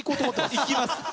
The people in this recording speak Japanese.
いきます。